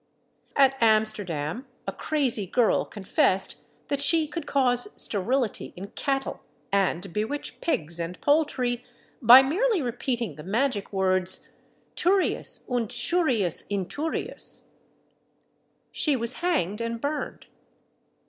At Amsterdam a crazy girl confessed that she could cause sterility in cattle, and bewitch pigs and poultry by merely repeating the magic words Turius und Shurius Inturius! She was hanged and burned.